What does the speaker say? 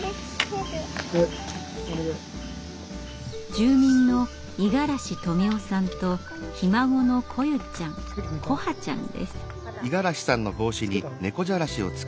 住民の五十嵐富夫さんとひ孫の來夢ちゃん來華ちゃんです。